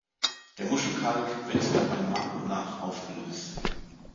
Der Muschelkalk wird dabei nach und nach aufgelöst.